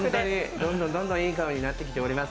どんどんどんどん、いい顔になってきております。